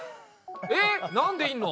えっなんでいんの？